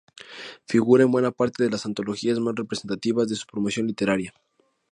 Figura en buena parte de las antologías más representativas de su promoción literaria.